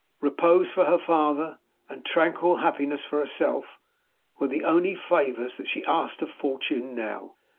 Repose for her father, and tranquil happiness for herself, were the only favors that she asked of fortune now.